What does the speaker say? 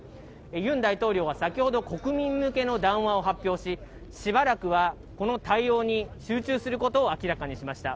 ユン大統領は先ほど国民向けの談話を発表し、しばらくはこの対応に集中することを明らかにしました。